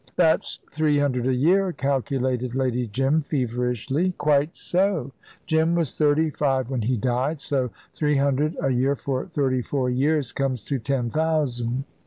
"That's three hundred a year," calculated Lady Jim, feverishly. "Quite so. Jim was thirty five when he died. So three hundred a year for thirty four years comes to ten thousand."